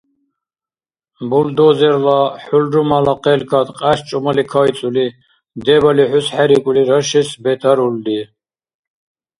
Бульдозерла хӀулрумала къелкад, кьяш чӀумали кайцӀули, дебали хӀусхӀерикӀули рашес бетарулри.